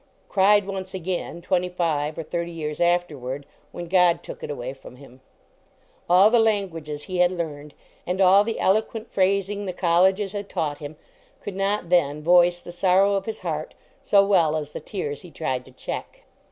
Cried once again, twenty five or thirty years afterward, when God took it away from him. All the languages he had learned, and all the eloquent phrasing the colleges had taught him, could not then voice the sor row of his heart so well as the tears he tried to check.